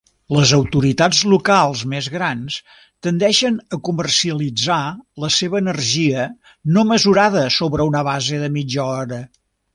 Les autoritats locals més grans tendeixen a comercialitzar la seva energia no mesurada sobre una base de mitja hora.